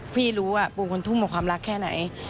พี่รู้ว่าปูคนทุ่มกับความรักแค่ไหน